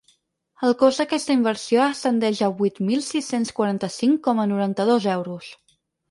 El cost d’aquesta inversió ascendeix a vuit mil sis-cents quaranta-cinc coma noranta-dos euros.